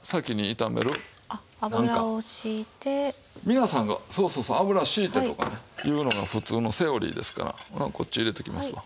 皆さんがそうそうそう油引いてとかいうのが普通のセオリーですからこっちへ入れておきますわ。